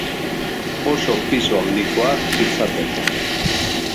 Oso pisu handikoa izaten da.